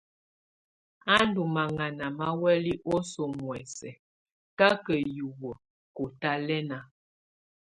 Á ndɔ́ maŋaná má huɛ̀lɛ́ oso muɛ̀sɛ káká hiwǝ́ kɔ́tálɛ́na.